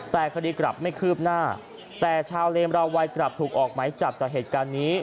แต่คดีกลับไม่คืบหน้าแต่ชาวเลมราวัยกลับถูกออกไหมจับจากเหตุการณ์นี้